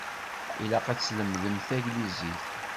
Ilaq ad tlemdemt taglizit.